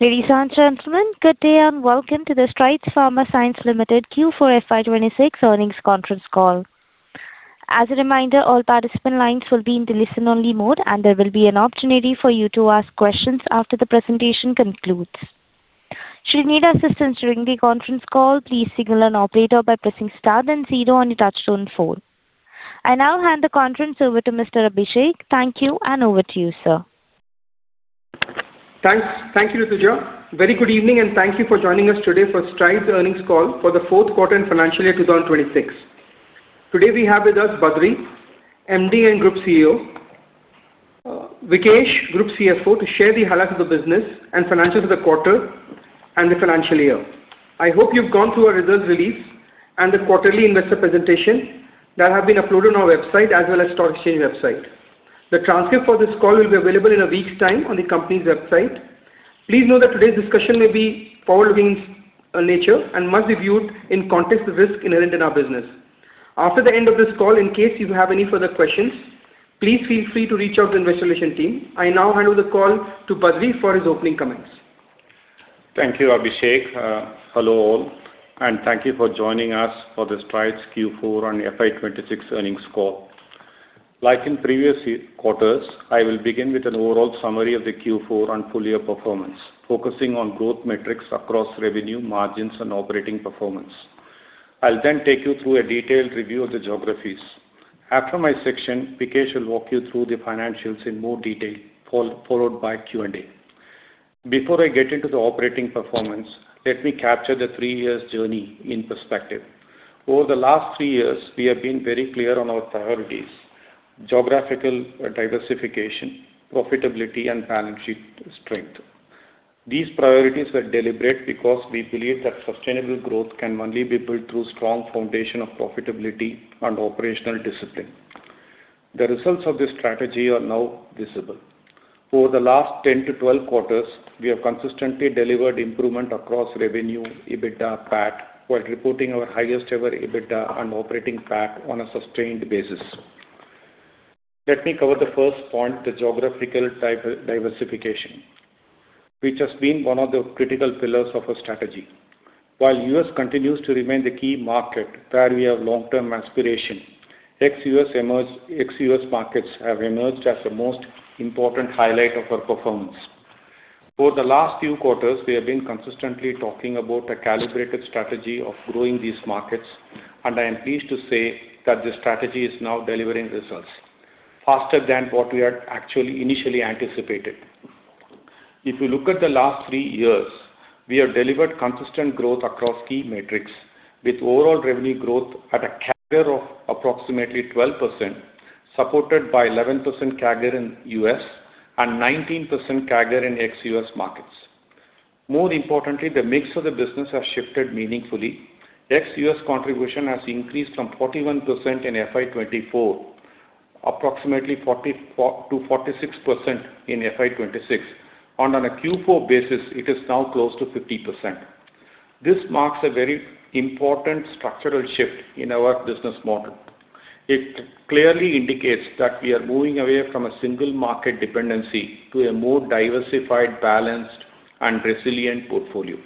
Ladies and gentlemen, good day and welcome to the Strides Pharma Science Limited Q4 FY 2026 earnings conference call. As a reminder, all participant lines will be in the listen-only mode, and there will be an opportunity for you to ask questions after the presentation concludes. Should you need assistance during the conference call, please signal an operator by pressing star then zero on your touchtone phone. I now hand the conference over to Mr. Abhishek. Thank you, and over to you, sir. Thanks. Thank you, Rituja. Very good evening. Thank you for joining us today for Strides earnings call for the fourth quarter and financial year 2026. Today, we have with us Badree, MD and Group CEO, Vikesh, Group CFO, to share the highlights of the business and financials of the quarter and the financial year. I hope you've gone through our results release and the quarterly investor presentation that have been uploaded on our website as well as stock exchange website. The transcript for this call will be available in a week's time on the company's website. Please note that today's discussion may be forward-looking in nature and must be viewed in context of risk inherent in our business. After the end of this call, in case you have any further questions, please feel free to reach out to the investor relation team. I now hand over the call to Badree for his opening comments. Thank you, Abhishek. Hello, all, and thank you for joining us for the Strides Q4 and FY 2026 earnings call. Like in previous quarters, I will begin with an overall summary of the Q4 and full-year performance, focusing on growth metrics across revenue, margins, and operating performance. I'll then take you through a detailed review of the geographies. After my section, Vikesh will walk you through the financials in more detail, followed by Q&A. Before I get into the operating performance, let me capture the three years journey in perspective. Over the last three years, we have been very clear on our priorities: geographical diversification, profitability, and balance sheet strength. These priorities were deliberate because we believe that sustainable growth can only be built through strong foundation of profitability and operational discipline. The results of this strategy are now visible. Over the last 10-12 quarters, we have consistently delivered improvement across revenue, EBITDA, PAT, while reporting our highest-ever EBITDA and operating PAT on a sustained basis. Let me cover the first point, the geographical diversification, which has been one of the critical pillars of our strategy. While U.S. continues to remain the key market where we have long-term aspiration, ex-U.S. markets have emerged as the most important highlight of our performance. For the last few quarters, we have been consistently talking about a calibrated strategy of growing these markets. I am pleased to say that this strategy is now delivering results faster than what we had actually initially anticipated. If you look at the last three years, we have delivered consistent growth across key metrics, with overall revenue growth at a CAGR of approximately 12%, supported by 11% CAGR in U.S. and 19% CAGR in ex-U.S. markets. More importantly, the mix of the business has shifted meaningfully. Ex-U.S. contribution has increased from 41% in FY 2024, approximately 44%-46% in FY 2026, and on a Q4 basis, it is now close to 50%. This marks a very important structural shift in our business model. It clearly indicates that we are moving away from a single market dependency to a more diversified, balanced, and resilient portfolio.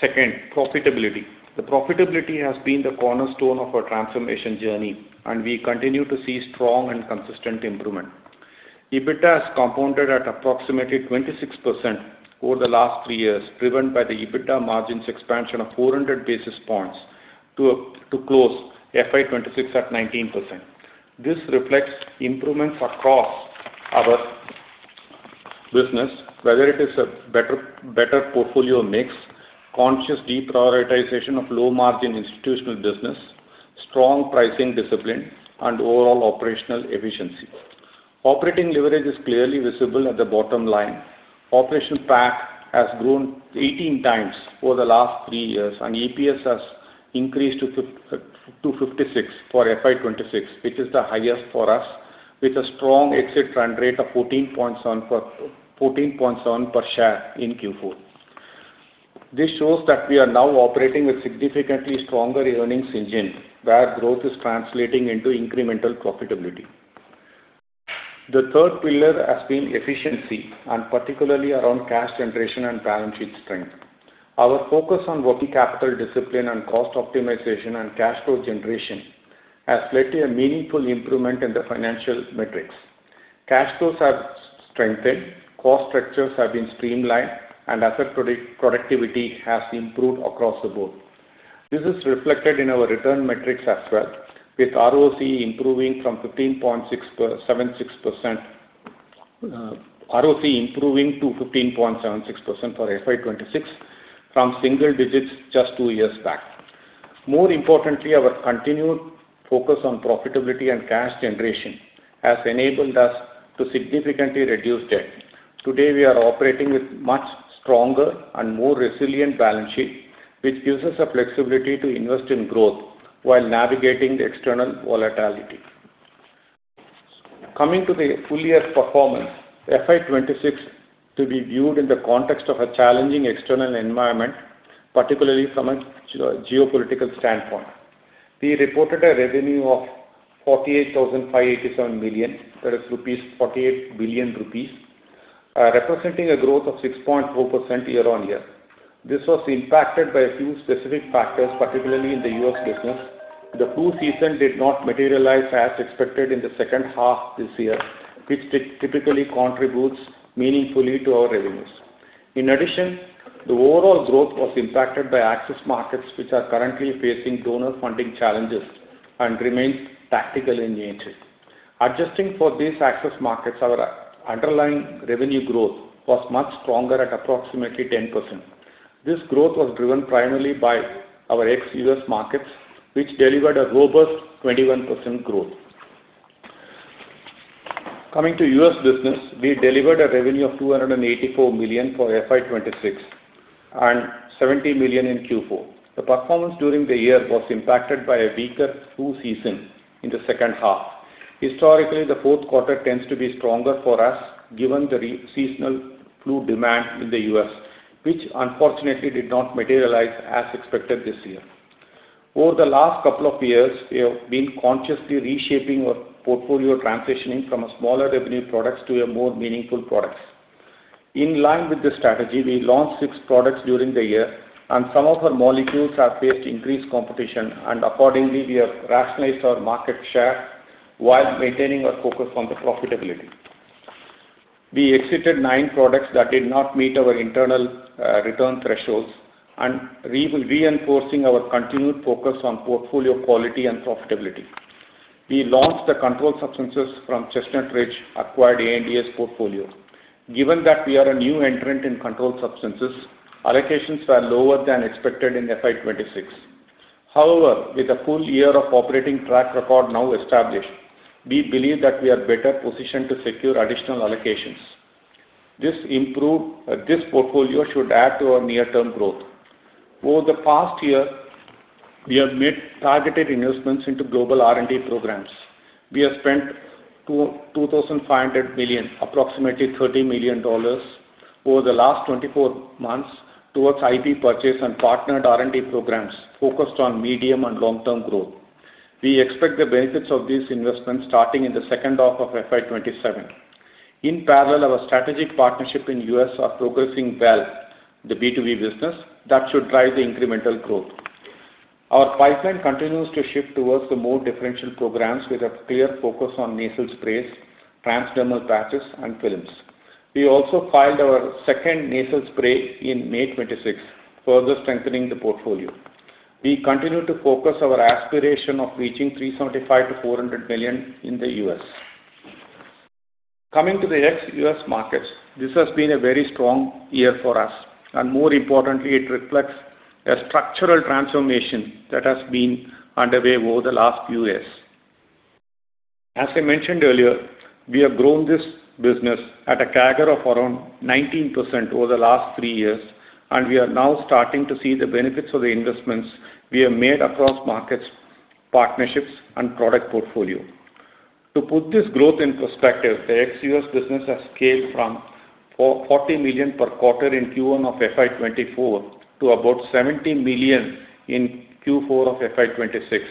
Second, profitability. The profitability has been the cornerstone of our transformation journey, and we continue to see strong and consistent improvement. EBITDA has compounded at approximately 26% over the last three years, driven by the EBITDA margins expansion of 400 basis points to close FY 2026 at 19%. This reflects improvements across our business, whether it is a better portfolio mix, conscious deprioritization of low-margin institutional business, strong pricing discipline, and overall operational efficiency. Operating leverage is clearly visible at the bottom line. Operational PAT has grown 18 times over the last three years, and EPS has increased to 56 for FY 2026, which is the highest for us, with a strong exit run rate of 14.7 per share in Q4. This shows that we are now operating with significantly stronger earnings engine, where growth is translating into incremental profitability. The third pillar has been efficiency, and particularly around cash generation and balance sheet strength. Our focus on working capital discipline and cost optimization and cash flow generation has led to a meaningful improvement in the financial metrics. Cash flows have strengthened, cost structures have been streamlined, and asset productivity has improved across the board. This is reflected in our return metrics as well, with ROCE improving from 15.76%, ROCE improving to 15.76% for FY 2026 from single digits just two years back. More importantly, our continued focus on profitability and cash generation has enabled us to significantly reduce debt. Today, we are operating with much stronger and more resilient balance sheet, which gives us the flexibility to invest in growth while navigating the external volatility. Coming to the full-year performance, FY 2026 to be viewed in the context of a challenging external environment, particularly from a geopolitical standpoint. We reported a revenue of 48,587 million rupees, that is 48 billion rupees, representing a growth of 6.4% year-on-year. This was impacted by a few specific factors, particularly in the U.S. business. The flu season did not materialize as expected in the second half this year, which typically contributes meaningfully to our revenues. In addition, the overall growth was impacted by access markets which are currently facing donor funding challenges and remains tactical in nature. Adjusting for these access markets, our underlying revenue growth was much stronger at approximately 10%. This growth was driven primarily by our ex-U.S. markets, which delivered a robust 21% growth. Coming to U.S. business, we delivered a revenue of 284 million for FY 2026 and 70 million in Q4. The performance during the year was impacted by a weaker flu season in the second half. Historically, the fourth quarter tends to be stronger for us given the seasonal flu demand in the U.S., which unfortunately did not materialize as expected this year. Over the last couple of years, we have been consciously reshaping our portfolio, transitioning from a smaller revenue products to a more meaningful products. In line with this strategy, we launched six products during the year, and some of our molecules have faced increased competition, and accordingly, we have rationalized our market share while maintaining our focus on the profitability. We exited nine products that did not meet our internal return thresholds and reinforcing our continued focus on portfolio quality and profitability. We launched the controlled substances from Chestnut Ridge acquired ANDAs portfolio. Given that we are a new entrant in controlled substances, allocations were lower than expected in FY 2026. With a full year of operating track record now established, we believe that we are better positioned to secure additional allocations. This portfolio should add to our near-term growth. Over the past year, we have made targeted investments into global R&D programs. We have spent 2,500 million, approximately $30 million over the last 24 months towards IP purchase and partnered R&D programs focused on medium and long-term growth. We expect the benefits of these investments starting in the second half of FY 2027. Our strategic partnership in U.S. are progressing well, the B2B business that should drive the incremental growth. Our pipeline continues to shift towards the more differential programs with a clear focus on nasal sprays, transdermal patches, and films. We also filed our second nasal spray in May 26, further strengthening the portfolio. We continue to focus our aspiration of reaching 375 million-400 million in the U.S. Coming to the ex-U.S. markets, this has been a very strong year for us, and more importantly, it reflects a structural transformation that has been underway over the last few years. As I mentioned earlier, we have grown this business at a CAGR of around 19% over the last three years, and we are now starting to see the benefits of the investments we have made across markets, partnerships, and product portfolio. To put this growth in perspective, the ex-U.S. business has scaled from $40 million per quarter in Q1 of FY 2024 to about $70 million in Q4 of FY 2026.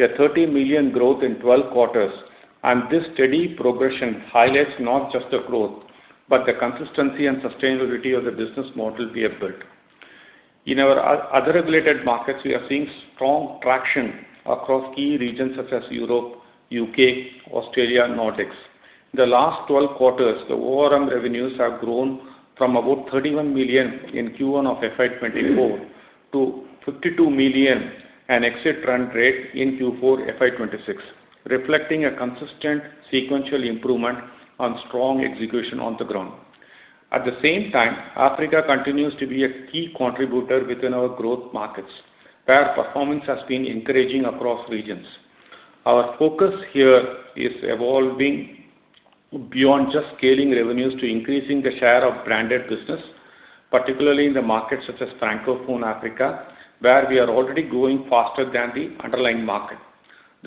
A $30 million growth in 12 quarters. This steady progression highlights not just the growth, but the consistency and sustainability of the business model we have built. In our other regulated markets, we are seeing strong traction across key regions such as Europe, U.K., Australia, Nordics. The last 12 quarters, the ORM revenues have grown from about $31 million in Q1 of FY 2024 to $52 million, an exit run rate in Q4 FY 2026, reflecting a consistent sequential improvement on strong execution on the ground. At the same time, Africa continues to be a key contributor within our growth markets, where performance has been encouraging across regions. Our focus here is evolving beyond just scaling revenues to increasing the share of branded business, particularly in the markets such as Francophone Africa, where we are already growing faster than the underlying market.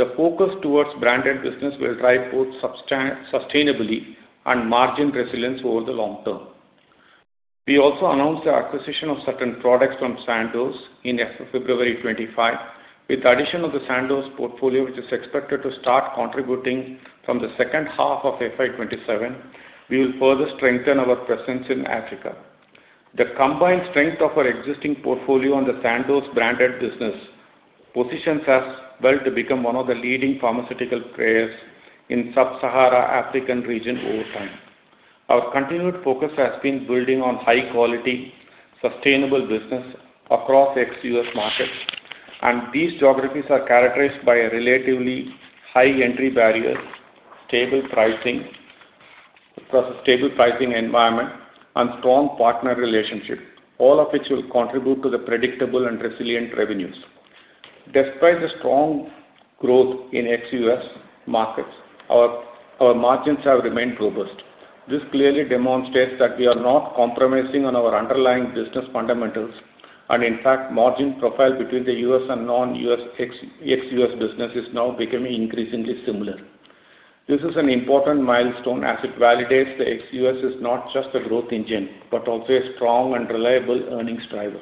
The focus towards branded business will drive both sustainably and margin resilience over the long term. We also announced the acquisition of certain products from Sandoz in February 25. With the addition of the Sandoz portfolio, which is expected to start contributing from the second half of FY 2027, we will further strengthen our presence in Africa. The combined strength of our existing portfolio on the Sandoz branded business positions us well to become one of the leading pharmaceutical players in sub-Sahara African region over time. Our continued focus has been building on high quality, sustainable business across ex-U.S. markets. These geographies are characterized by a relatively high entry barriers, stable pricing environment, and strong partner relationships, all of which will contribute to the predictable and resilient revenues. Despite the strong growth in ex-U.S. markets, our margins have remained robust. This clearly demonstrates that we are not compromising on our underlying business fundamentals. In fact, margin profile between the U.S. and non-U.S. ex-U.S. business is now becoming increasingly similar. This is an important milestone as it validates the ex-U.S. is not just a growth engine, but also a strong and reliable earnings driver.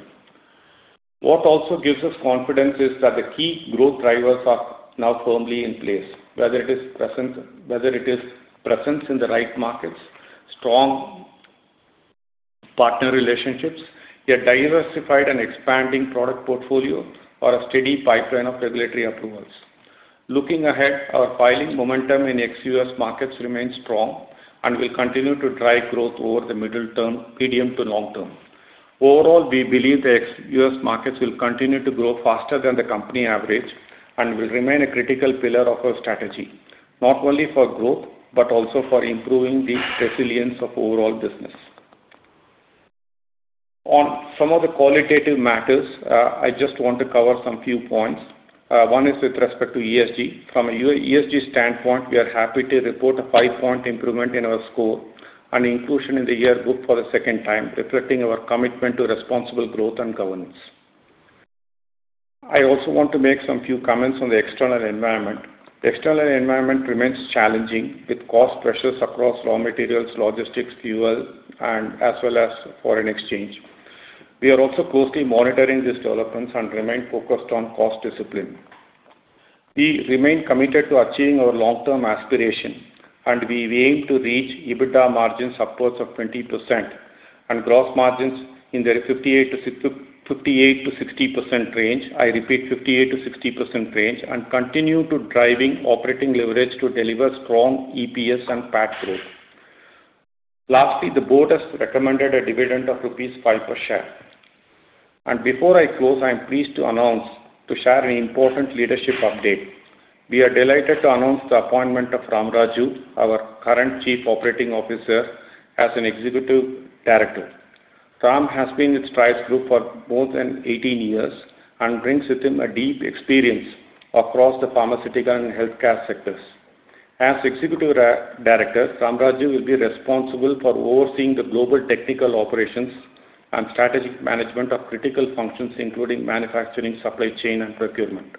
What also gives us confidence is that the key growth drivers are now firmly in place, whether it is presence in the right markets, strong partner relationships, a diversified and expanding product portfolio, or a steady pipeline of regulatory approvals. Looking ahead, our filing momentum in ex-U.S. markets remains strong and will continue to drive growth over the middle term, medium to long term. Overall, we believe the ex-U.S. markets will continue to grow faster than the company average and will remain a critical pillar of our strategy, not only for growth, but also for improving the resilience of overall business. On some of the qualitative matters, I just want to cover some few points. One is with respect to ESG. From an ESG standpoint, we are happy to report a five-point improvement in our score and inclusion in the yearbook for the second time, reflecting our commitment to responsible growth and governance. I also want to make some few comments on the external environment. The external environment remains challenging with cost pressures across raw materials, logistics, fuel, and as well as foreign exchange. We are also closely monitoring these developments and remain focused on cost discipline. We remain committed to achieving our long-term aspiration, and we aim to reach EBITDA margins upwards of 20% and gross margins in the 58%-60% range and continue to driving operating leverage to deliver strong EPS and PAT growth. Lastly, the board has recommended a dividend of rupees 5 per share. Before I close, I'm pleased to share an important leadership update. We are delighted to announce the appointment of Ramaraju, our current Chief Operating Officer, as an Executive Director. Ram has been with Strides Group for more than 18 years and brings with him a deep experience across the pharmaceutical and healthcare sectors. As Executive Director, Ramaraju will be responsible for overseeing the global technical operations and strategic management of critical functions, including manufacturing, supply chain, and procurement.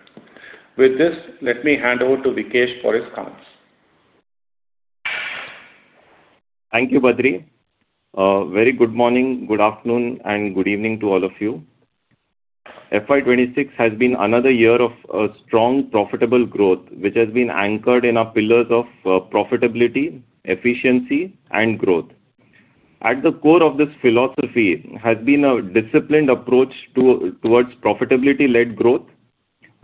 With this, let me hand over to Vikesh for his comments. Thank you, Badree. Very good morning, good afternoon, and good evening to all of you. FY 2026 has been another year of a strong, profitable growth, which has been anchored in our pillars of profitability, efficiency, and growth. At the core of this philosophy has been a disciplined approach towards profitability-led growth,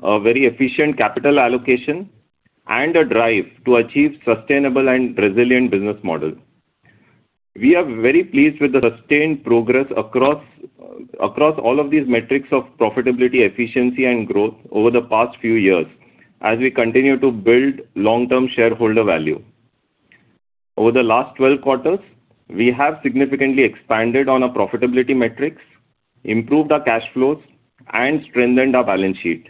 a very efficient capital allocation, and a drive to achieve sustainable and resilient business model. We are very pleased with the sustained progress across all of these metrics of profitability, efficiency, and growth over the past few years as we continue to build long-term shareholder value. Over the last 12 quarters, we have significantly expanded on our profitability metrics, improved our cash flows, and strengthened our balance sheet.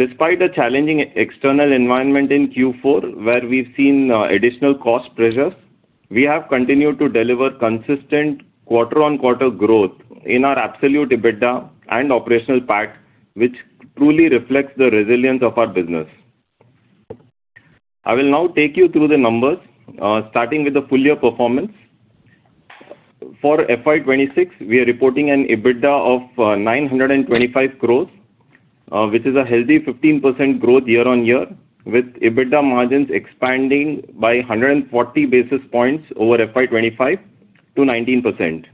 Despite a challenging external environment in Q4, where we've seen additional cost pressures, we have continued to deliver consistent quarter-on-quarter growth in our absolute EBITDA and operational PAT, which truly reflects the resilience of our business. I will now take you through the numbers, starting with the full-year performance. For FY 2026, we are reporting an EBITDA of 925 crores, which is a healthy 15% growth year-on-year, with EBITDA margins expanding by 140 basis points over FY 2025 to 19%.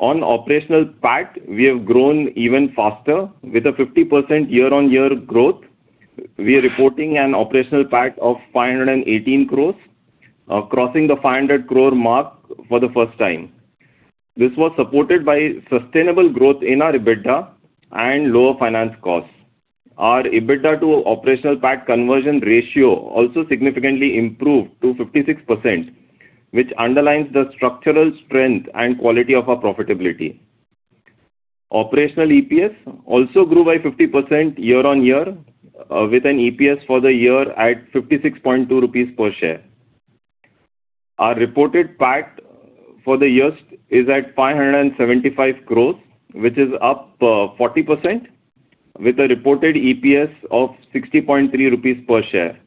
On operational PAT, we have grown even faster. With a 50% year-on-year growth, we are reporting an operational PAT of 518 crores, crossing the 500 crore mark for the first time. This was supported by sustainable growth in our EBITDA and lower finance costs. Our EBITDA to operational PAT conversion ratio also significantly improved to 56%, which underlines the structural strength and quality of our profitability. Operational EPS also grew by 50% year-on-year, with an EPS for the year at 56.2 rupees per share. Our reported PAT for the year is at 575 crores, which is up 40% with a reported EPS of 60.3 rupees per share.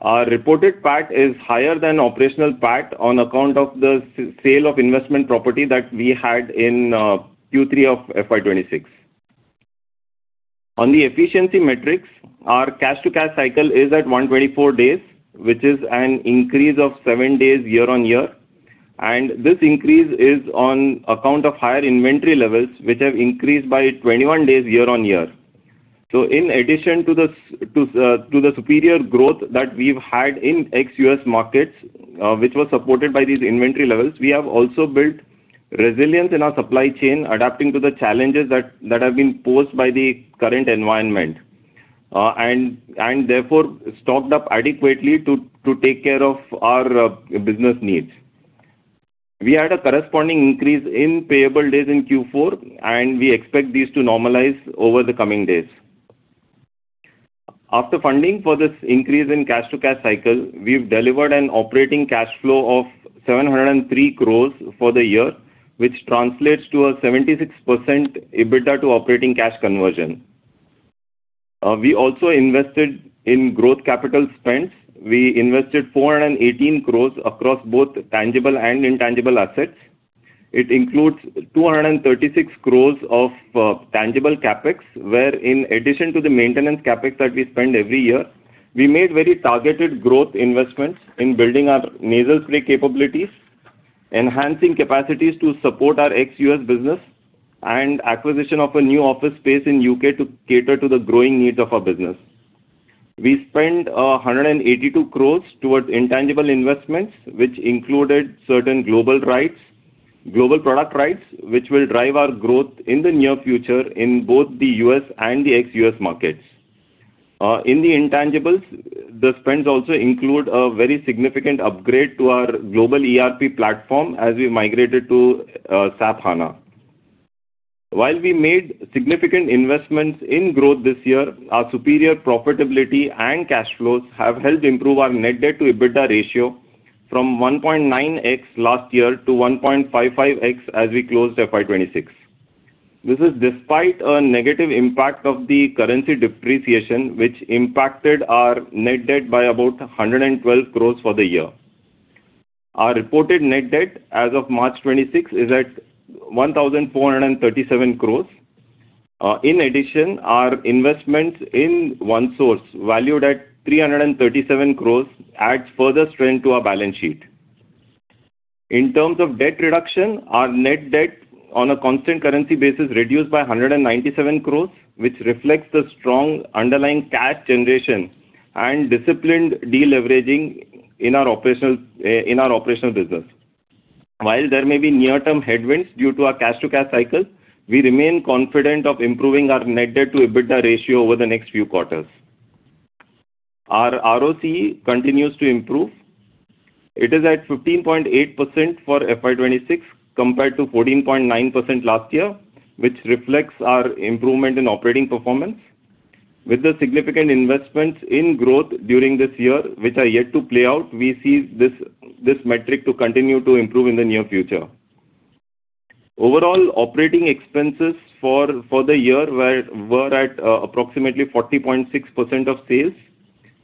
Our reported PAT is higher than operational PAT on account of the sale of investment property that we had in Q3 of FY 2026. On the efficiency metrics, our cash-to-cash cycle is at 124 days, which is an increase of seven days year-on-year. This increase is on account of higher inventory levels, which have increased by 21 days year-on-year. In addition to the superior growth that we've had in ex-U.S. markets, which was supported by these inventory levels, we have also built resilience in our supply chain, adapting to the challenges that have been posed by the current environment. And therefore, stocked up adequately to take care of our business needs. We had a corresponding increase in payable days in Q4, and we expect these to normalize over the coming days. After funding for this increase in cash-to-cash cycle, we've delivered an operating cash flow of 703 crores for the year. Which translates to a 76% EBITDA to operating cash conversion. We also invested in growth capital spend. We invested 418 crores across both tangible and intangible assets. It includes 236 crores of tangible CapEx, where in addition to the maintenance CapEx that we spend every year, we made very targeted growth investments in building our nasal spray capabilities, enhancing capacities to support our ex-U.S. business and acquisition of a new office space in U.K. to cater to the growing needs of our business. We spent 182 crores towards intangible investments, which included certain global product rights, which will drive our growth in the near future in both the U.S. and the ex-U.S. markets. In the intangibles, the spends also include a very significant upgrade to our global ERP platform as we migrated to SAP HANA. While we made significant investments in growth this year, our superior profitability and cash flows have helped improve our net debt to EBITDA ratio from 1.9x last year to 1.55x as we closed FY 2026. This is despite a negative impact of the currency depreciation which impacted our net debt by about 112 crores for the year. Our reported net debt as of March 26 is at 1,437 crores. In addition, our investments in OneSource, valued at 337 crores, adds further strength to our balance sheet. In terms of debt reduction, our net debt on a constant currency basis reduced by 197 crores, which reflects the strong underlying cash generation and disciplined deleveraging in our operational in our operational business. While there may be near-term headwinds due to our cash-to-cash cycle, we remain confident of improving our net debt to EBITDA ratio over the next few quarters. Our ROC continues to improve. It is at 15.8% for FY 2026 compared to 14.9% last year, which reflects our improvement in operating performance. With the significant investments in growth during this year, which are yet to play out, we see this metric to continue to improve in the near future. Overall operating expenses for the year were at approximately 40.6% of sales.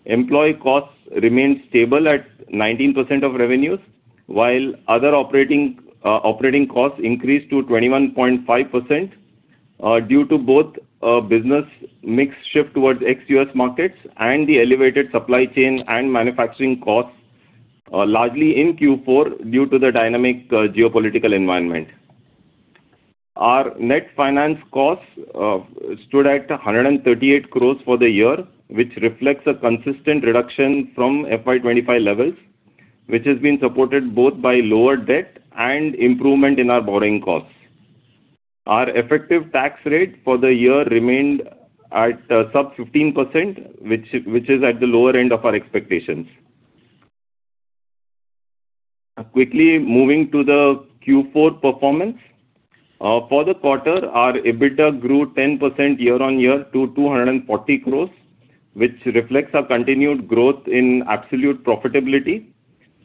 Employee costs remained stable at 19% of revenues, while other operating costs increased to 21.5%, due to both business mix shift towards ex-U.S. markets and the elevated supply chain and manufacturing costs, largely in Q4 due to the dynamic geopolitical environment. Our net finance costs stood at 138 crores for the year, which reflects a consistent reduction from FY 2025 levels, which has been supported both by lower debt and improvement in our borrowing costs. Our effective tax rate for the year remained at sub 15%, which is at the lower end of our expectations. Quickly moving to the Q4 performance. For the quarter, our EBITDA grew 10% year-on-year to 240 crores, which reflects our continued growth in absolute profitability.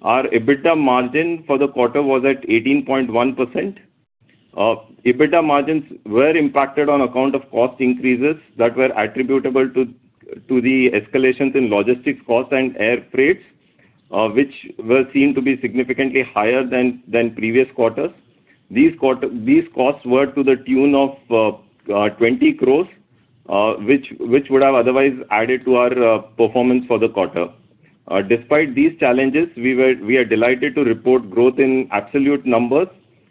Our EBITDA margin for the quarter was at 18.1%. EBITDA margins were impacted on account of cost increases that were attributable to the escalations in logistics costs and air freights, which were seen to be significantly higher than previous quarters. These costs were to the tune of 20 crores, which would have otherwise added to our performance for the quarter. Despite these challenges, we are delighted to report growth in absolute numbers,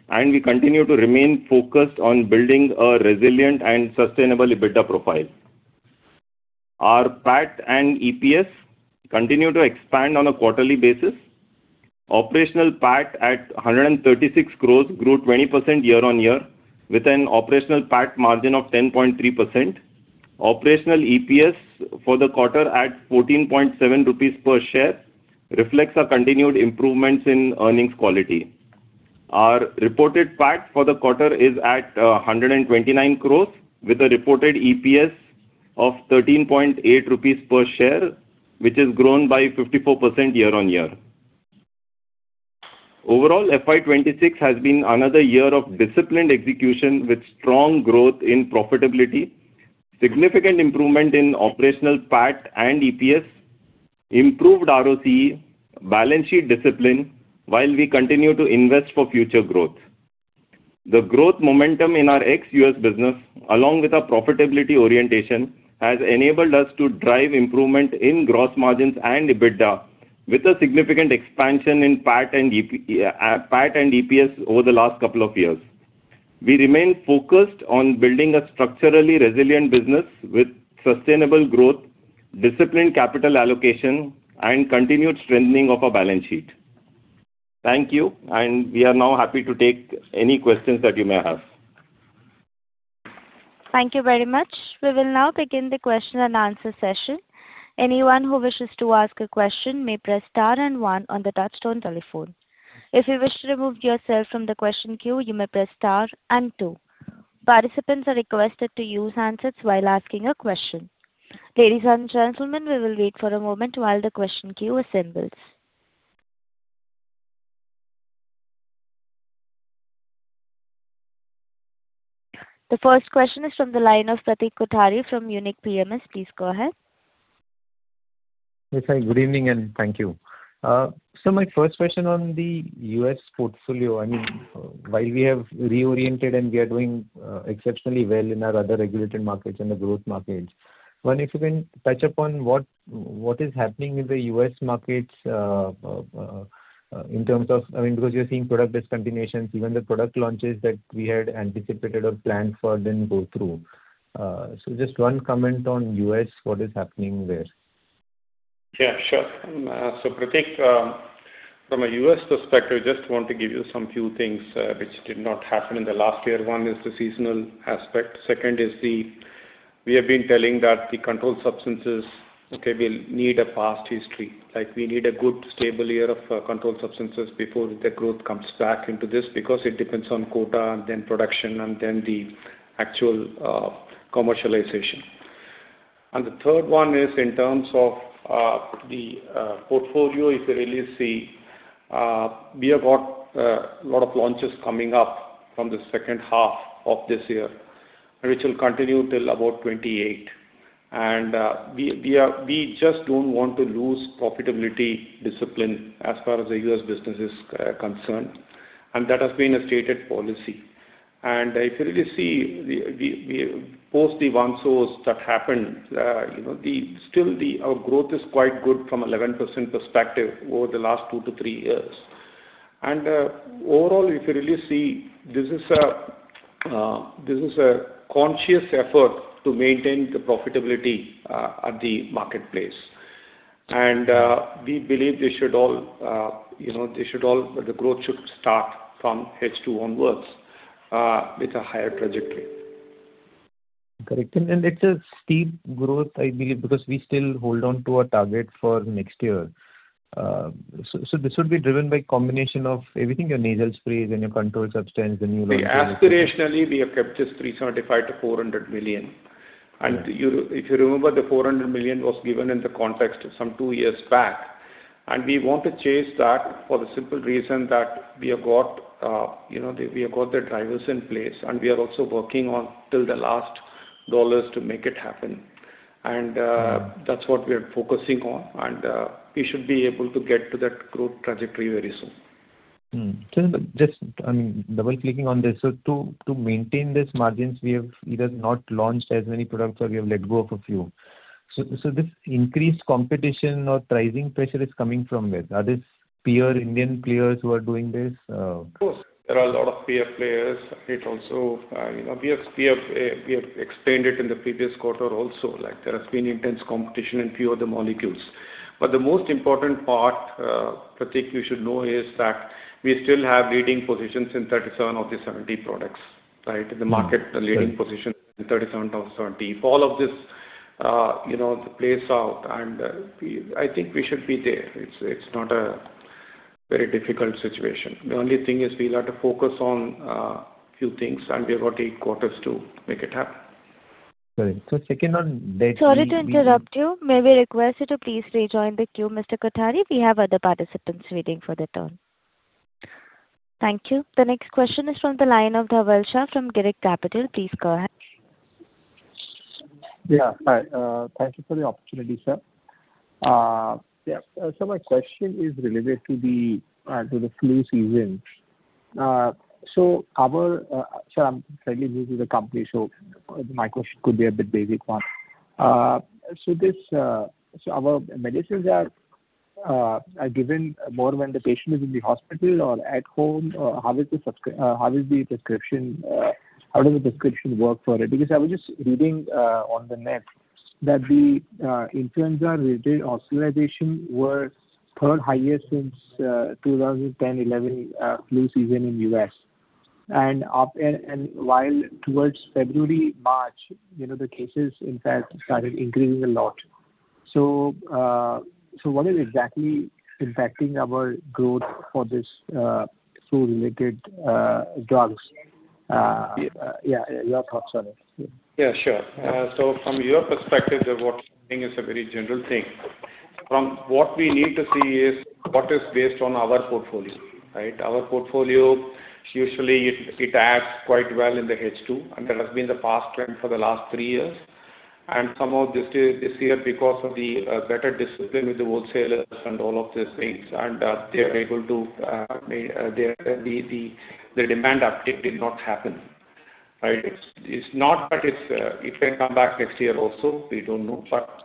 and we continue to remain focused on building a resilient and sustainable EBITDA profile. Our PAT and EPS continue to expand on a quarterly basis. Operational PAT at 136 crores grew 20% year-on-year with an operational PAT margin of 10.3%. Operational EPS for the quarter at 14.7 rupees per share reflects our continued improvements in earnings quality. Our reported PAT for the quarter is at 129 crores, with a reported EPS of 13.8 rupees per share, which has grown by 54% year-on-year. Overall, FY 2026 has been another year of disciplined execution with strong growth in profitability, significant improvement in operational PAT and EPS, improved ROC, balance sheet discipline, while we continue to invest for future growth. The growth momentum in our ex-U.S. business, along with our profitability orientation, has enabled us to drive improvement in gross margins and EBITDA with a significant expansion in PAT and EPS over the last couple of years. We remain focused on building a structurally resilient business with sustainable growth, disciplined capital allocation and continued strengthening of our balance sheet. Thank you, and we are now happy to take any questions that you may have. Thank you very much. We will now begin the question-and-answer session. Anyone who wishes to ask a question may press star and one on the touchtone telephone. If you wish to remove yourself from the question queue, you may press star and two. Participants are requested to use handsets while asking a question. Ladies and gentlemen, we will wait for a moment while the question queue assembles. The first question is from the line of Pratik Kothari from Unique PMS. Please go ahead. Yes, hi. Good evening, and thank you. My first question on the U.S. portfolio, I mean, while we have reoriented and we are doing exceptionally well in our other regulated markets and the growth markets. One, if you can touch upon what is happening in the U.S. markets in terms of I mean, because you're seeing product discontinuations, even the product launches that we had anticipated or planned for didn't go through. Just one comment on U.S., what is happening there? Yeah, sure. Pratik, from a U.S. perspective, I just want to give you some few things, which did not happen in the last year. One is the seasonal aspect. Second is, we have been telling that the controlled substances, okay, will need a past history. Like we need a good stable year of controlled substances before the growth comes back into this because it depends on quota and then production and then the actual commercialization. The third one is in terms of the portfolio. If you really see, we have got a lot of launches coming up from the second half of this year, which will continue till about 2028. We just don't want to lose profitability discipline as far as the U.S. business is concerned, and that has been a stated policy. If you really see, Post the OneSource that happened, you know, still our growth is quite good from 11% perspective over the last two to three years. Overall, if you really see, this is a conscious effort to maintain the profitability at the marketplace. We believe this should all, you know, the growth should start from H2 onwards with a higher trajectory. Correct. It's a steep growth, I believe, because we still hold on to our target for next year. This would be driven by combination of everything, your nasal sprays and your controlled substance, the new launches. Aspirationally, we have kept this 375 million-400 million. Yeah. If you remember, the 400 million was given in the context some two years back. We want to chase that for the simple reason that we have got, you know, the drivers in place. We are also working on till the last dollars to make it happen. That's what we are focusing on. We should be able to get to that growth trajectory very soon. Just, I mean, double-clicking on this. To maintain these margins, we have either not launched as many products or we have let go of a few. This increased competition or pricing pressure is coming from where? Are these pure Indian players who are doing this? Of course, there are a lot of peer players. It also, you know, we have explained it in the previous quarter also, like there has been intense competition in few of the molecules. The most important part, Pratik, you should know, is that we still have leading positions in 37 of the 70 products, right, in the market. Sure. The leading position in 37 out of 70. If all of this, you know, plays out and I think we should be there. It's not a very difficult situation. The only thing is we'll have to focus on few things, and we have got eight quarters to make it happen. Right. Sorry to interrupt you. May we request you to please rejoin the queue, Mr. Kothari. We have other participants waiting for their turn. Thank you. The next question is from the line of Dhaval Shah from Girik Capital. Please go ahead. Yeah. Hi, thank you for the opportunity, sir. My question is related to the flu season. Sir, I'm fairly new to the company, my question could be a bit basic one. This, our medicines are given more when the patient is in the hospital or at home? Or how is the prescription, how does the prescription work for it? I was just reading on the net that the influenza-related hospitalization were third highest since 2010/2011 flu season in the U.S. While towards February, March, you know, the cases in fact started increasing a lot. What is exactly impacting our growth for this flu-related drugs? Yeah, your thoughts on it. Yeah, sure. From your perspective of what you're saying is a very general thing. From what we need to see is what is based on our portfolio, right? Our portfolio usually it adds quite well in the H2, and that has been the past trend for the last three years. Somehow this year, because of the better discipline with the wholesalers and all of these things, and they're able to make the demand uptick did not happen, right? It's not that it's it may come back next year also. We don't know.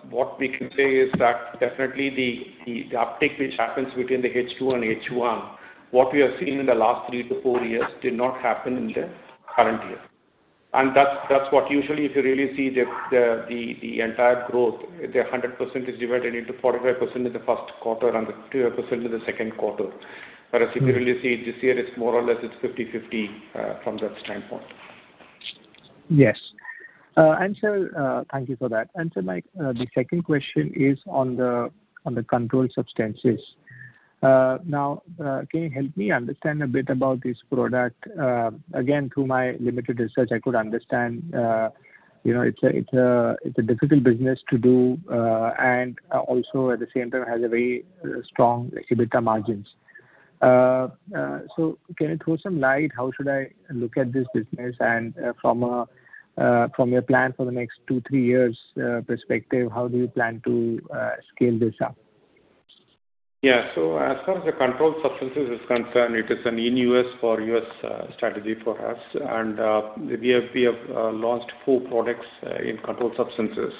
What we can say is that definitely the uptick which happens between the H2 and H1, what we have seen in the last three to four years did not happen in the current year. That's what usually if you really see the entire growth, the 100% is divided into 45% in the first quarter and the 55% in the second quarter. Whereas if you really see this year, it is more or less it is 50/50 from that standpoint. Yes. Thank you for that. My second question is on the controlled substances. Now, can you help me understand a bit about this product? Again, through my limited research I could understand, you know, it's a difficult business to do and also at the same time has a very strong EBITDA margins. Can you throw some light how should I look at this business and, from your plan for the next two, three years perspective, how do you plan to scale this up? As far as the controlled substances is concerned, it is an in U.S. for U.S. strategy for us. We have launched four products in controlled substances.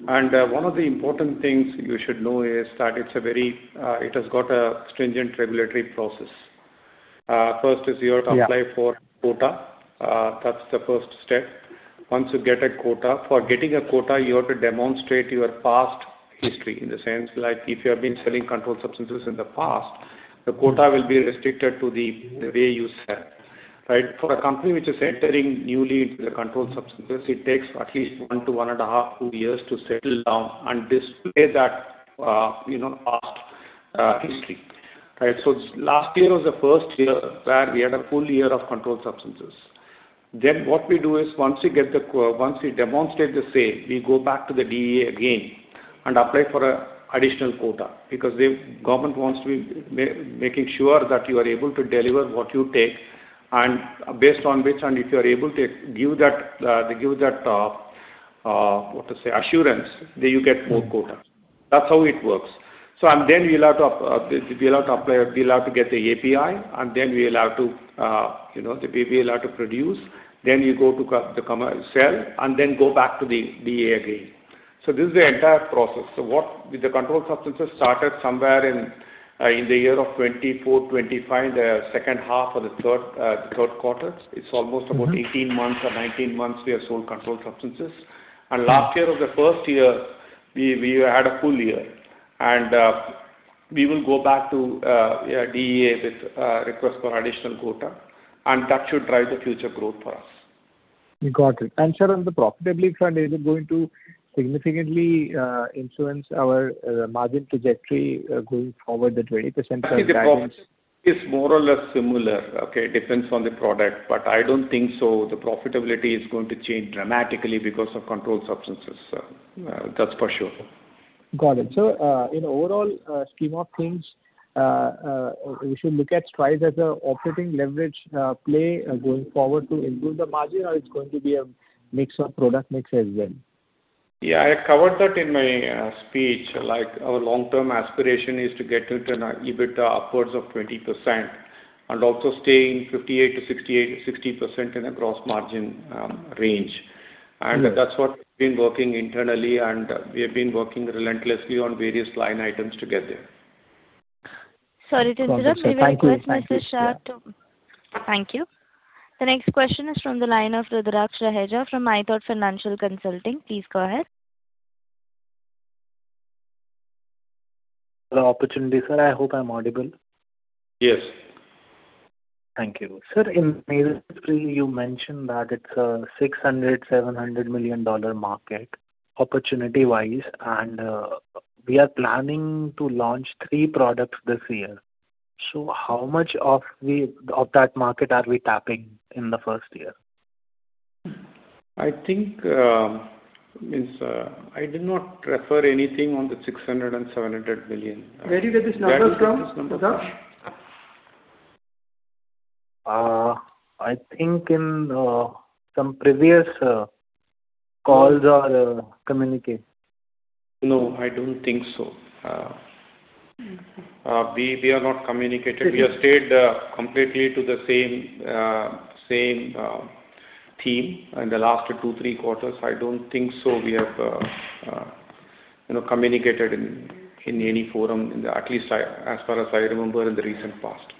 One of the important things you should know is that it's a very stringent regulatory process. First is you have to apply- Yeah For quota, that's the first step. Once you get a quota For getting a quota, you have to demonstrate your past history. In the sense like if you have been selling controlled substances in the past, the quota will be restricted to the way you sell, right? For a company which is entering newly into the controlled substances, it takes at least one to 1.5, two years to settle down and display that, you know, past history, right? Last year was the first year where we had a full year of controlled substances. What we do is once we demonstrate the sale, we go back to the DEA again and apply for a additional quota because the government wants to be making sure that you are able to deliver what you take and based on which and if you are able to give that, give that, what to say, assurance, then you get more quota. That's how it works. And then we allow to apply, we allow to get the API, and then we allow to, you know, the PB allow to produce. You go to the commercial and then go back to the DEA again. This is the entire process. With the controlled substances started somewhere in the year of 2024, 2025, the second half or the third quarter. 18 months or 19 months we have sold controlled substances. Last year was the first year we had a full year. We will go back to DEA with a request for additional quota, and that should drive the future growth for us. Got it. Sir, on the profitability front, is it going to significantly influence our margin trajectory going forward, the 20% target? Actually the profitability is more or less similar, okay? Depends on the product. I don't think so the profitability is going to change dramatically because of controlled substances. That's for sure. Got it. In overall scheme of things, we should look at Strides as a operating leverage play going forward to improve the margin or it's going to be a mix of product mix as well? I covered that in my speech. Like, our long-term aspiration is to get to an EBITDA upwards of 20% and also staying 50% to 68% to 60% in a gross margin range. That's what we've been working internally, and we have been working relentlessly on various line items to get there. Sorry to interrupt. Thank you. We will request Mr. Shah to. Thank you. Thank you. The next question is from the line of Rudraksh Raheja from ithought Financial Consulting. Please go ahead. The opportunity, sir. I hope I'm audible. Yes. Thank you. Sir, in nasal spray you mentioned that it's a $600 million-$700 million market opportunity-wise, and we are planning to launch three products this year. How much of that market are we tapping in the first year? I think, means, I did not refer anything on the 600 million and 700 million. Where did you get these numbers from, Rudraksh? I think in some previous calls or communicate. No, I don't think so. We have not communicated. We have stayed completely to the same theme in the last two, three quarters. I don't think so we have, you know, communicated in any forum, at least I, as far as I remember in the recent past.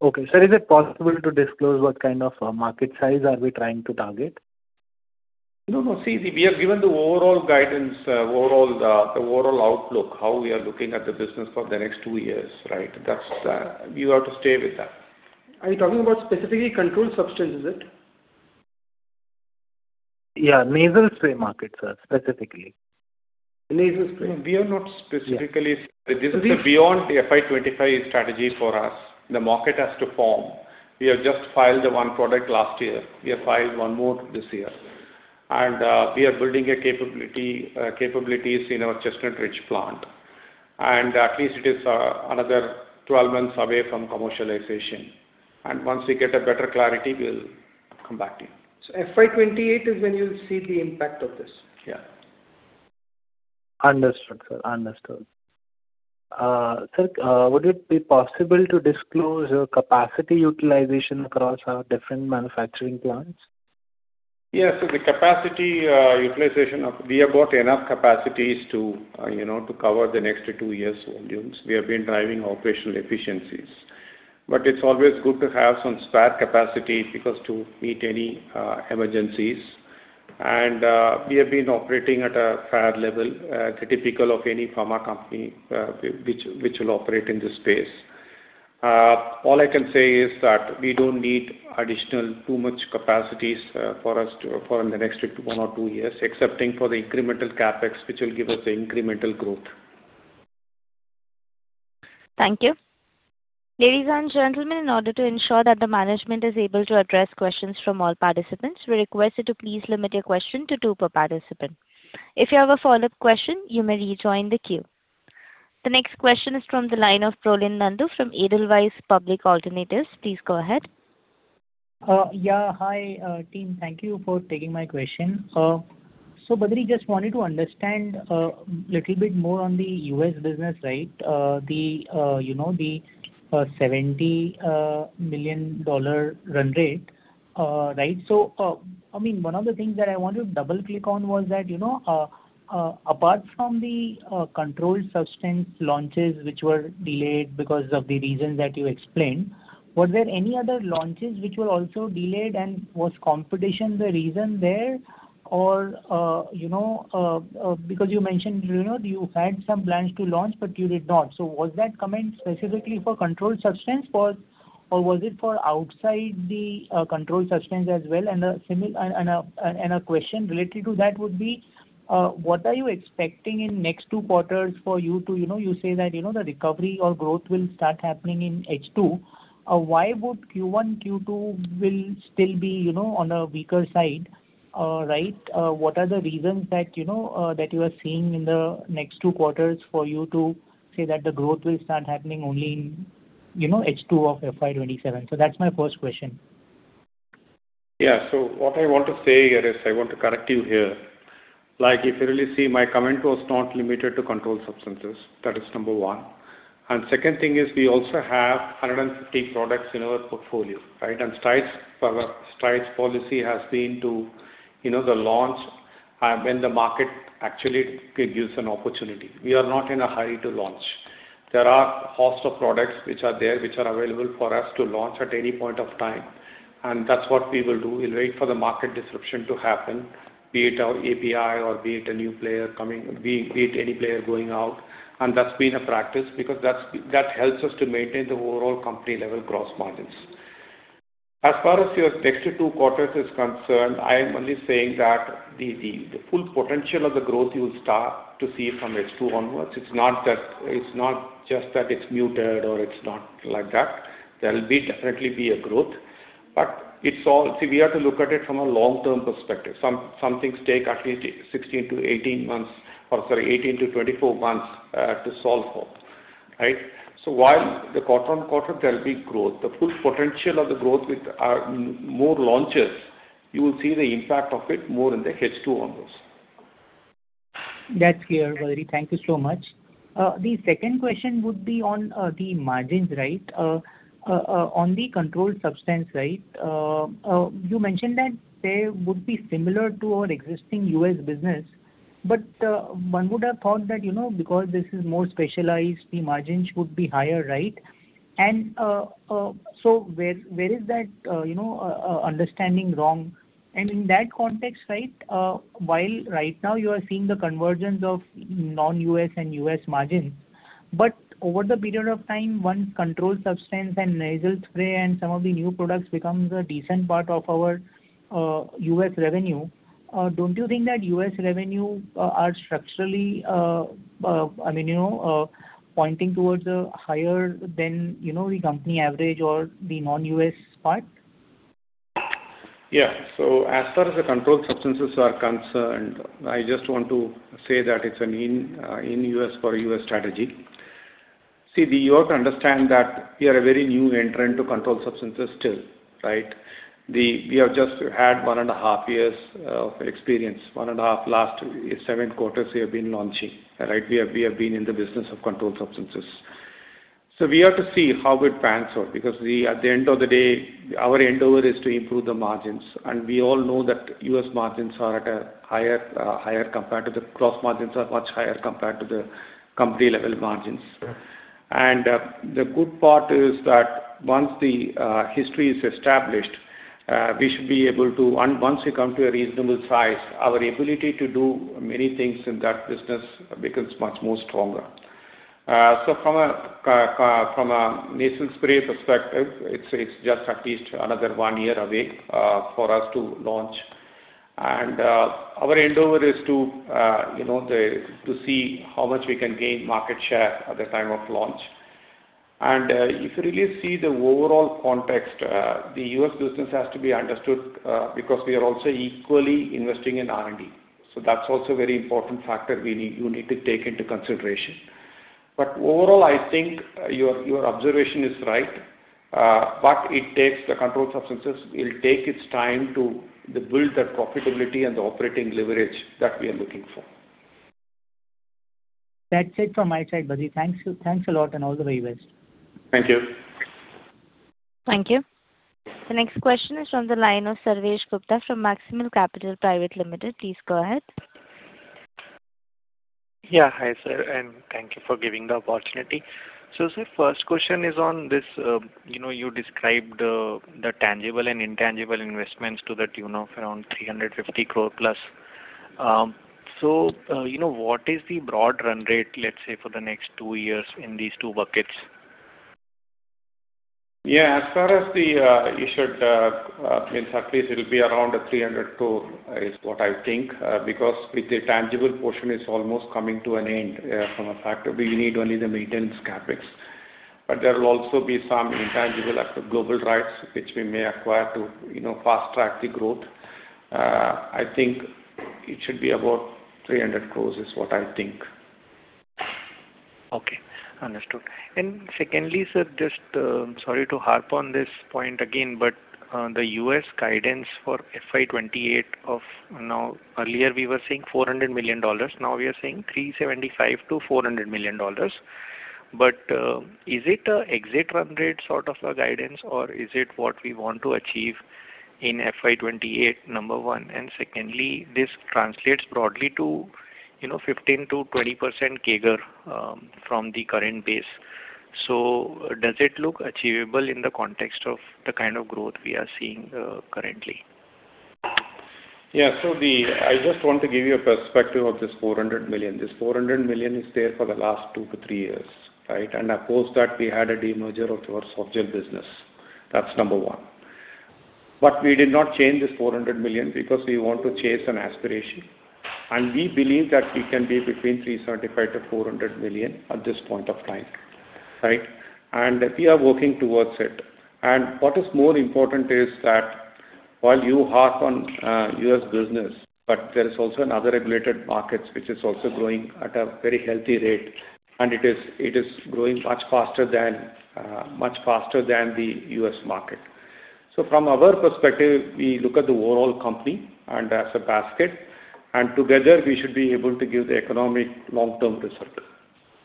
Okay. Sir, is it possible to disclose what kind of market size are we trying to target? No, no. See, we have given the overall guidance, the overall outlook, how we are looking at the business for the next two years, right? We have to stay with that. Are you talking about specifically controlled substance, is it? Yeah, nasal spray market, sir, specifically. The nasal spray. We are not specifically- Yeah. This is the beyond FY 2025 strategy for us. The market has to form. We have just filed the one product last year. We have filed one more this year. We are building a capability, capabilities in our Chestnut Ridge plant. At least it is another 12 months away from commercialization. Once we get a better clarity, we'll come back to you. FY 2028 is when you'll see the impact of this? Yeah. Understood, sir. Understood. Sir, would it be possible to disclose your capacity utilization across our different manufacturing plants? Yes. We have got enough capacities to cover the next two years' volumes. We have been driving operational efficiencies. It's always good to have some spare capacity because to meet any emergencies. We have been operating at a fair level, typical of any pharma company, which will operate in this space. All I can say is that we don't need additional too much capacities for us in the next one or two years, excepting for the incremental CapEx, which will give us the incremental growth. Thank you. Ladies and gentlemen, in order to ensure that the management is able to address questions from all participants, we request you to please limit your question to two per participant. If you have a follow-up question, you may rejoin the queue. The next question is from the line of Prolin Nandu from Edelweiss Public Alternatives. Please go ahead. Yeah. Hi, team. Thank you for taking my question. Badree, just wanted to understand a little bit more on the U.S. business, right? The, you know, the $70 million run rate, right? I mean, one of the things that I want to double-click on was that, you know, apart from the controlled substances launches which were delayed because of the reasons that you explained, were there any other launches which were also delayed? Was competition the reason there? You know, because you mentioned, you know, you had some plans to launch, but you did not. Was that comment specifically for controlled substances, or was it for outside the controlled substances as well? A question related to that would be, what are you expecting in next two quarters for you to You know, you say that, you know, the recovery or growth will start happening in H2. Why would Q1, Q2 will still be, you know, on a weaker side, right? What are the reasons that, you know, that you are seeing in the next two quarters for you to say that the growth will start happening only in, you know, H2 of FY 2027? That's my first question. Yeah. What I want to say here is I want to correct you here. Like, if you really see, my comment was not limited to controlled substances. That is number one. Second thing is we also have 150 products in our portfolio, right? Strides policy has been to, you know, the launch when the market actually gives an opportunity. We are not in a hurry to launch. There are host of products which are there, which are available for us to launch at any point of time, and that's what we will do. We'll wait for the market disruption to happen, be it a API or be it a new player coming, be it any player going out. That's been a practice because that helps us to maintain the overall company-level gross margins. As far as your next two quarters is concerned, I am only saying that the full potential of the growth you will start to see from H2 onwards. It's not just that it's muted or it's not like that. There'll be definitely be a growth. We have to look at it from a long-term perspective. Some things take at least 16-18 months, or sorry, 18-24 months, to solve for, right? While the quarter on quarter there will be growth, the full potential of the growth with more launches, you will see the impact of it more in the H2 onwards. That's clear, Badree. Thank you so much. The second question would be on the margins, right? On the controlled substance, right, you mentioned that they would be similar to our existing U.S. business. One would have thought that, you know, because this is more specialized, the margins would be higher, right? Where is that, you know, understanding wrong? In that context, right, while right now you are seeing the convergence of non-U.S. and U.S. margins, but over the period of time, once controlled substance and nasal spray and some of the new products becomes a decent part of our U.S. revenue, don't you think that U.S. revenue are structurally, I mean, you know, pointing towards a higher than, you know, the company average or the non-U.S. part? Yeah. As far as the controlled substances are concerned, I just want to say that it's an in U.S. for U.S. strategy. See, we have to understand that we are a very new entrant to controlled substances still, right? We have just had 1.5 years of experience. Last seven quarters we have been launching, right? We have been in the business of controlled substances. We have to see how it pans out because we, at the end of the day, our end goal is to improve the margins. And we all know that Gross margins are much higher compared to the company-level margins. The good part is that once the history is established, we should be able to once we come to a reasonable size, our ability to do many things in that business becomes much more stronger. From a nasal spray perspective, it's just at least another one year away for us to launch. Our end goal is to, you know, to see how much we can gain market share at the time of launch. If you really see the overall context, the U.S. business has to be understood because we are also equally investing in R&D. That's also a very important factor you need to take into consideration. Overall, I think your observation is right. The controlled substances will take its time to build that profitability and the operating leverage that we are looking for. That's it from my side, Badree. Thank you. Thanks a lot, and all the very best. Thank you. Thank you. The next question is from the line of Sarvesh Gupta from Maximal Capital Private Limited. Please go ahead. Yeah. Hi, sir, and thank you for giving the opportunity. Sir, first question is on this, you know, you described, the tangible and intangible investments to the tune of around 350+ crore. You know, what is the broad run rate, let's say, for the next two years in these two buckets? Yeah. As far as the, you should, it will be around 300 crore, is what I think. Because with the tangible portion is almost coming to an end, from a factor. We need only the maintenance CapEx. There will also be some intangible asset, global rights, which we may acquire to, you know, fast-track the growth. I think it should be about 300 crores, is what I think. Okay. Understood. Secondly, sir, just, sorry to harp on this point again, the U.S. guidance for FY 2028 of now Earlier we were saying $400 million, now we are saying $375 million-$400 million. Is it a exit run rate sort of a guidance or is it what we want to achieve in FY 2028? Number one. Secondly, this translates broadly to 15%-20% CAGR from the current base. Does it look achievable in the context of the kind of growth we are seeing currently? I just want to give you a perspective of this 400 million. This 400 million is there for the last two to three years, right? Of course, that we had a demerger of our software business. That's number one. We did not change this 400 million because we want to chase an aspiration, and we believe that we can be between 375 million-400 million at this point of time, right? We are working towards it. What is more important is that while you harp on U.S. business, there is also another regulated markets which is also growing at a very healthy rate, and it is growing much faster than the U.S. market. From our perspective, we look at the overall company and as a basket, and together we should be able to give the economic long-term results.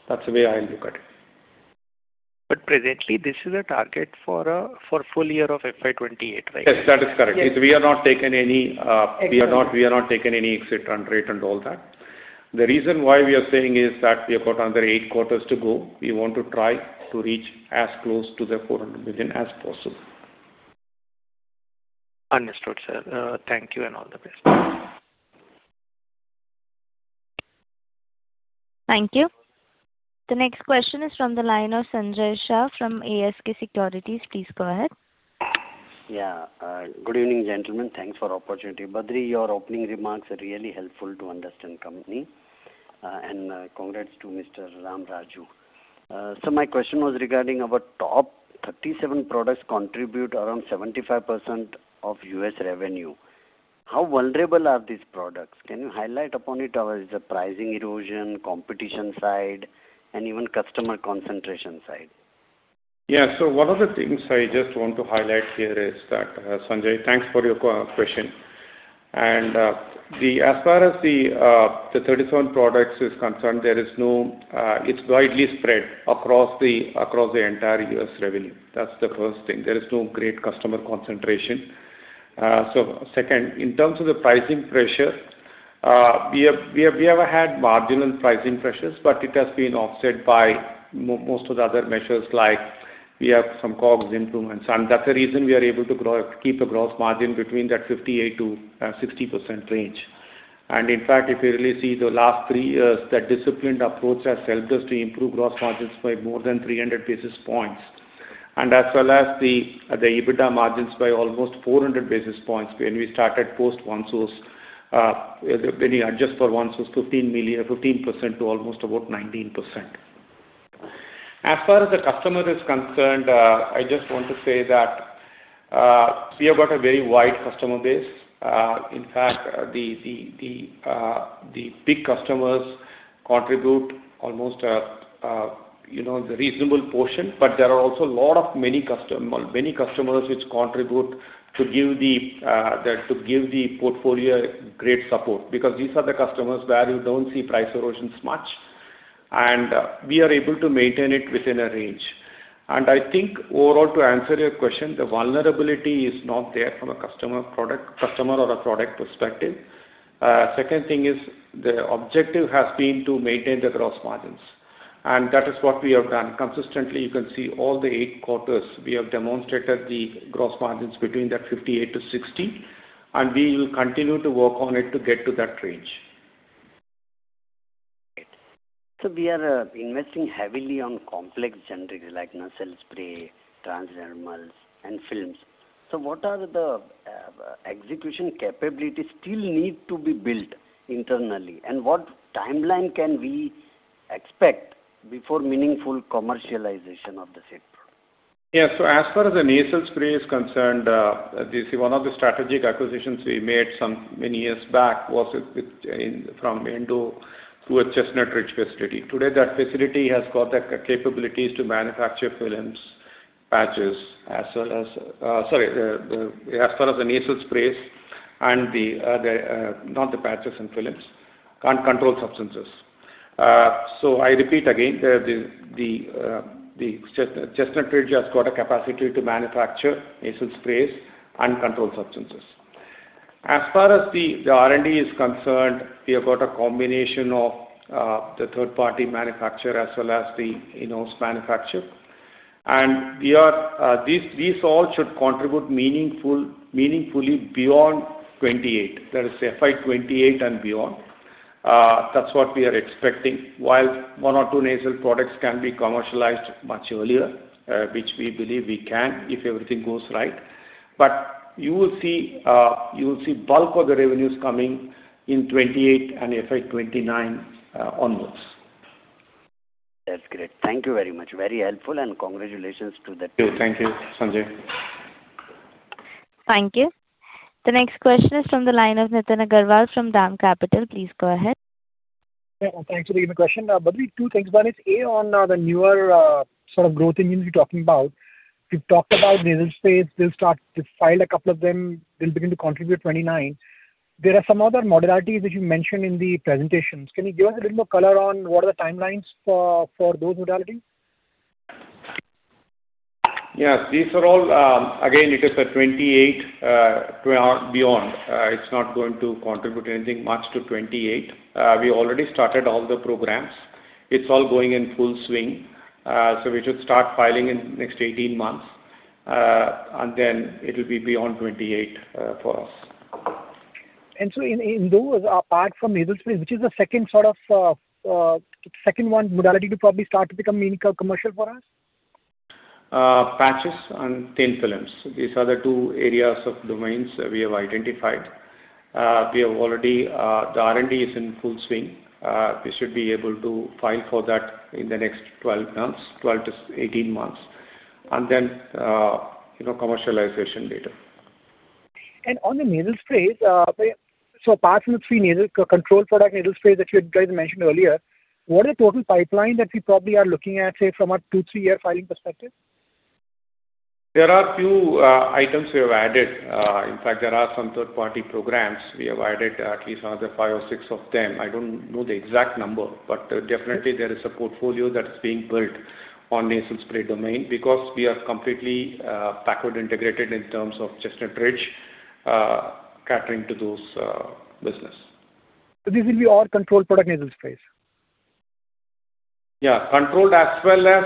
That's the way I look at it. Presently, this is a target for full year of FY 2028, right? Yes, that is correct. Yes. We are not taking any exit run rate and all that. The reason why we are saying is that we have got another eight quarters to go. We want to try to reach as close to the 400 million as possible. Understood, sir. Thank you and all the best. Thank you. The next question is from the line of Sanjay Shah from ASK Securities. Please go ahead. Yeah. Good evening, gentlemen. Thanks for opportunity. Badree, your opening remarks are really helpful to understand company, and congrats to Mr. Ramaraju. My question was regarding our top 37 products contribute around 75% of U.S. revenue. How vulnerable are these products? Can you highlight upon it, the pricing erosion, competition side and even customer concentration side? One of the things I just want to highlight here is that, Sanjay, thanks for your question. As far as the 37 products is concerned, there is no, it's widely spread across the entire U.S. revenue. That's the first thing. There is no great customer concentration. Second, in terms of the pricing pressure, we have had marginal pricing pressures, but it has been offset by most of the other measures, like we have some COGS improvements, that's the reason we are able to keep a gross margin between that 58%-60% range. In fact, if you really see the last three years, that disciplined approach has helped us to improve gross margins by more than 300 basis points, and as well as the EBITDA margins by almost 400 basis points when we started post OneSource, when you adjust for OneSource, 15% to almost about 19%. As far as the customer is concerned, I just want to say that we have got a very wide customer base. In fact, the big customers contribute almost, you know, the reasonable portion. There are also a lot of many customers which contribute to give the portfolio great support, because these are the customers where you don't see price erosions much, and we are able to maintain it within a range. I think overall, to answer your question, the vulnerability is not there from a customer or a product perspective. Second thing is the objective has been to maintain the gross margins, and that is what we have done. Consistently, you can see all the eight quarters, we have demonstrated the gross margins between that 58%-60%, and we will continue to work on it to get to that range. Great. We are investing heavily on complex generally like nasal sprays, transdermals and films. What are the execution capabilities still need to be built internally? What timeline can we expect before meaningful commercialization of the said products? As far as the nasal spray is concerned, you see one of the strategic acquisitions we made many years back was with from Endo through a Chestnut Ridge facility. Today, that facility has got the capabilities to manufacture films, patches as well as Sorry, as far as the nasal sprays and not the patches and films. controlled substances. I repeat again, the Chestnut Ridge has got a capacity to manufacture nasal sprays and controlled substances. As far as the R&D is concerned, we have got a combination of the third party manufacturer as well as the in-house manufacturer. These all should contribute meaningfully beyond 28. That is FY 2028 and beyond. That's what we are expecting. While one or two nasal products can be commercialized much earlier, which we believe we can, if everything goes right. You will see, you will see bulk of the revenues coming in 2028 and FY 2029, onwards. That's great. Thank you very much. Very helpful, and congratulations to the team. Thank you. Thank you, Sanjay. Thank you. The next question is from the line of Nitin Agarwal from DAM Capital. Please go ahead. Yeah. Thanks for taking the question. Badree, two things. One is, A, on the newer sort of growth engines you're talking about. You've talked about nasal sprays. They'll start to file a couple of them. They'll begin to contribute 2029. There are some other modalities that you mentioned in the presentations. Can you give us a little more color on what are the timelines for those modalities? Yes. These are all, again, it is for 28 beyond. It's not going to contribute anything much to 28. We already started all the programs. It's all going in full swing. So we should start filing in next 18 months. Then it'll be beyond 28 for us. In those, apart from nasal sprays, which is the second sort of, second one modality to probably start to become meaningful commercial for us? patches and thin films. These are the two areas of domains that we have identified. We have already, the R&D is in full swing. We should be able to file for that in the next 12 months, 12-18 months. You know, commercialization later. On the nasal sprays, apart from the three nasal controlled product nasal sprays that you guys mentioned earlier, what is the total pipeline that we probably are looking at, say, from a two, three-year filing perspective? There are a few items we have added. There are some third-party programs. We have added at least another five or six of them. I don't know the exact number, definitely there is a portfolio that is being built on nasal spray domain because we are completely backward integrated in terms of Chestnut Ridge catering to those business. These will be all controlled product nasal sprays? Yeah. Controlled as well as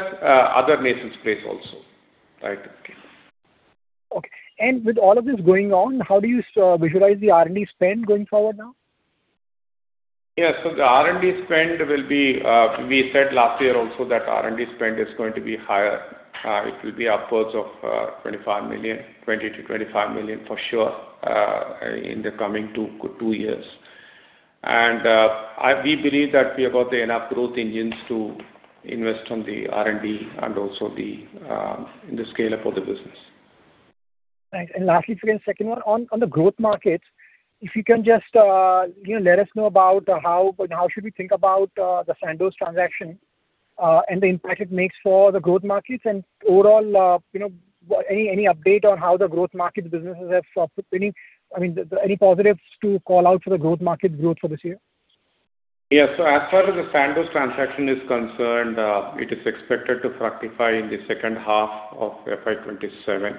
other nasal sprays also. Right. Okay. With all of this going on, how do you visualize the R&D spend going forward now? The R&D spend will be, we said last year also that R&D spend is going to be higher. It will be upwards of 25 million, 20 million-25 million for sure, in the coming two years. I, we believe that we have got the enough growth engines to invest on the R&D and also the in the scale-up of the business. Thanks. Lastly, if you can second one, on the growth markets, if you can just, you know, let us know about how should we think about the Sandoz transaction, and the impact it makes for the growth markets and overall, you know, any update on how the growth markets businesses have sort of been doing? I mean, any positives to call out for the growth market growth for this year? Yes. As far as the Sandoz transaction is concerned, it is expected to fructify in the second half of FY 2027.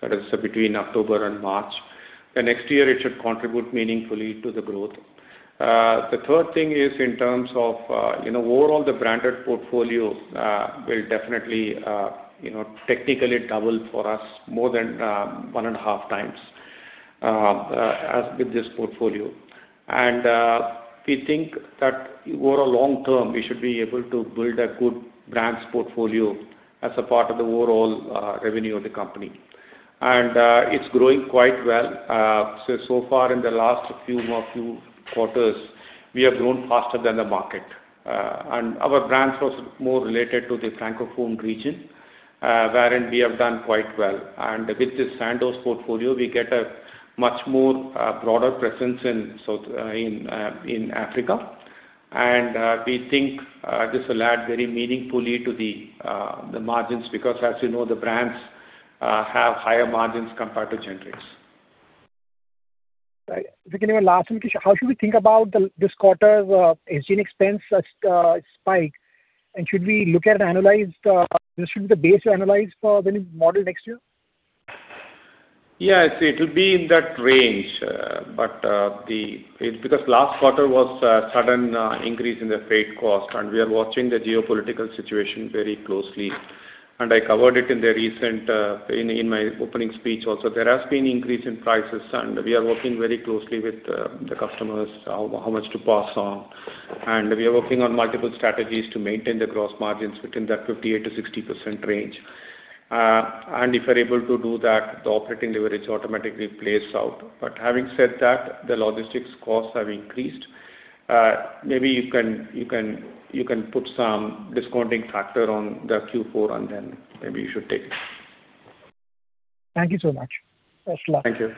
That is between October and March. The next year it should contribute meaningfully to the growth. The third thing is in terms of, you know, overall the branded portfolio will definitely, you know, technically double for us more than 1.5 times as with this portfolio. We think that over long term, we should be able to build a good brands portfolio as a part of the overall revenue of the company. It's growing quite well. So far in the last few quarters, we have grown faster than the market. Our brands was more related to the Francophone region, wherein we have done quite well. With this Sandoz portfolio, we get a much more broader presence in South in in Africa. We think this will add very meaningfully to the margins because as you know, the brands have higher margins compared to generics. Right. If we can have a last one, [Kish]. How should we think about the, this quarter's SG&A expense spike? Should the base analyze for when we model next year? Yes, it will be in that range. It's because last quarter was a sudden increase in the freight cost, we are watching the geopolitical situation very closely. I covered it in the recent in my opening speech also. There has been increase in prices, we are working very closely with the customers, how much to pass on. We are working on multiple strategies to maintain the gross margins within that 58%-60% range. If we're able to do that, the operating leverage automatically plays out. Having said that, the logistics costs have increased. Maybe you can put some discounting factor on the Q4, maybe you should take that. Thank you so much. Best of luck. Thank you.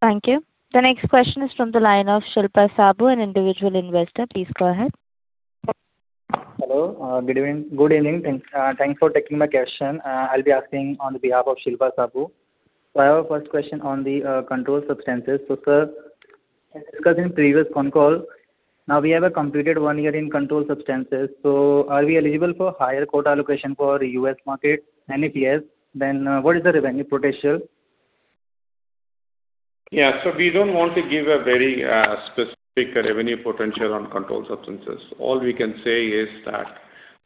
Thank you. The next question is from the line of Shilpa Saboo, an individual investor. Please go ahead. Hello. Good evening. Good evening. Thanks, thanks for taking my question. I'll be asking on the behalf of Shilpa Saboo. I have a first question on the controlled substances. Sir, as discussed in previous con call, now we have completed one year in controlled substances. Are we eligible for higher quota allocation for U.S. market? If yes, then what is the revenue potential? Yeah. We don't want to give a very specific revenue potential on controlled substances. All we can say is that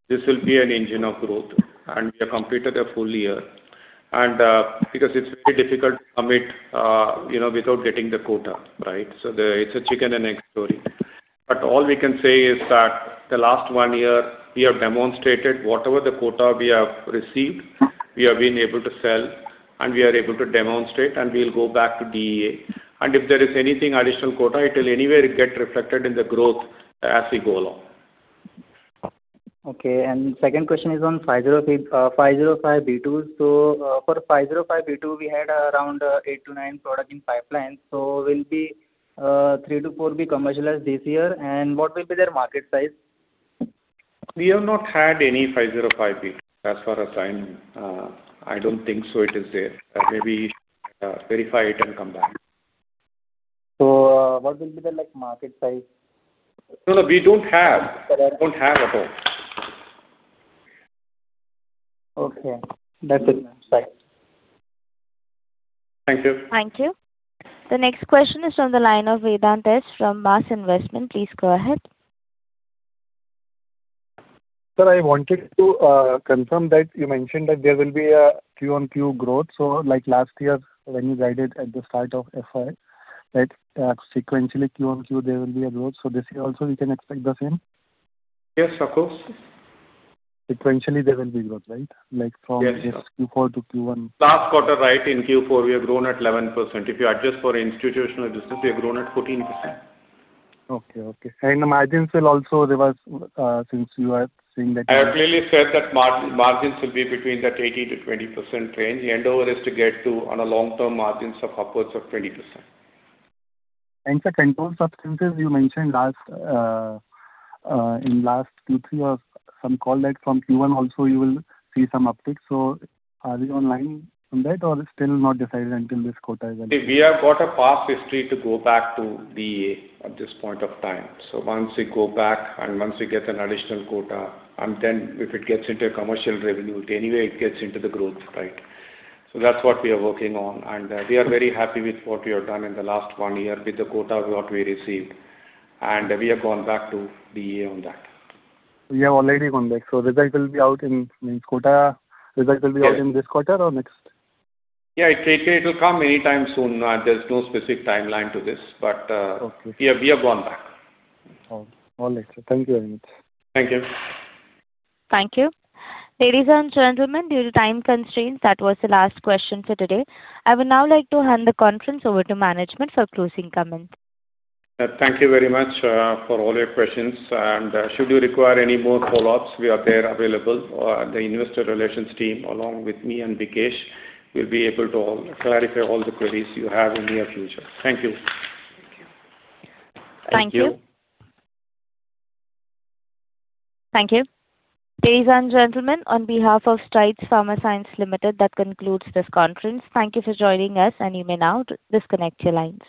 this will be an engine of growth, and we have completed a full year. Because it's very difficult to commit, you know, without getting the quota, right? The It's a chicken and egg story. All we can say is that the last one year we have demonstrated whatever the quota we have received, we have been able to sell and we are able to demonstrate, and we'll go back to DEA. If there is anything additional quota, it will anyway get reflected in the growth as we go along. Okay. Second question is on 505(b)(2). For 505(b)(2), we had around eight to nine product in pipeline. Will three to four be commercialized this year? What will be their market size? We have not had any 505(b). As far as I'm, I don't think so it is there. Maybe, verify it and come back. What will be the, like, market size? No, no, we don't have. Correct. We don't have at all. Okay. That's it. Sorry. Thank you. Thank you. The next question is on the line of [Vedant] from Bas Investment. Please go ahead. Sir, I wanted to confirm that you mentioned that there will be a Q on Q growth. Like last year when you guided at the start of FY, right, sequentially Q on Q there will be a growth. This year also we can expect the same? Yes, of course. Sequentially there will be growth, right? Yes. this Q4 to Q1. Last quarter, right, in Q4 we have grown at 11%. If you adjust for institutional business, we have grown at 14%. Okay. Okay. Margins will also revise since you are saying. I have clearly said that margins will be between that 18%-20% range. The end goal is to get to on a long-term margins of upwards of 20%. The controlled substances you mentioned last, in last Q3 or some call that from Q1 also you will see some uptick. Are we online on that or it's still not decided until this quota? We have got a past history to go back to DEA at this point of time. Once we go back and once we get an additional quota, and then if it gets into a commercial revenue, anyway it gets into the growth, right? That's what we are working on. We are very happy with what we have done in the last one year with the quota what we received. We have gone back to DEA on that. You have already gone back, so result will be out in quarter. Result will be out in this quarter or next? Yeah, it'll come any time soon. There's no specific timeline to this, but. Okay. We have gone back. All right, sir. Thank you very much. Thank you. Thank you. Ladies and gentlemen, due to time constraints, that was the last question for today. I would now like to hand the conference over to management for closing comments. Thank you very much for all your questions. Should you require any more follow-ups, we are there available. The investor relations team along with me and Vikesh will be able to all clarify all the queries you have in near future. Thank you. Thank you. Thank you. Thank you. Ladies and gentlemen, on behalf of Strides Pharma Science Limited, that concludes this conference. Thank you for joining us, and you may now disconnect your lines.